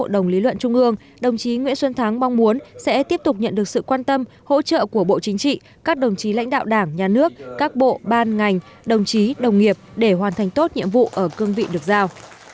đồng chí nguyễn xuân thắng mong muốn sẽ tiếp tục nhận được sự quan tâm hỗ trợ của bộ chính trị các đồng chí lãnh đạo đảng nhà nước các bộ ban ngành đồng chí đồng nghiệp để hoàn thành tốt nhiệm vụ ở cương vị được giao